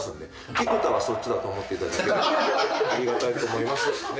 菊田はそっちだと思っていただければありがたいと思います。